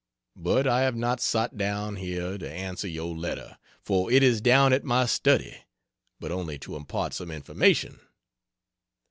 But I have not sot down here to answer your letter, for it is down at my study, but only to impart some information.